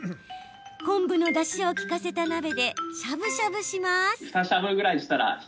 昆布のだしを利かせた鍋でしゃぶしゃぶします。